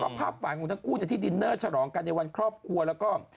ภาพหวานของทั้งคู่ที่ดินเนอร์ฉลองกันในวันครอบครัวแล้วก็